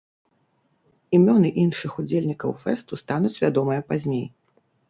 Імёны іншых удзельнікаў фэсту стануць вядомыя пазней.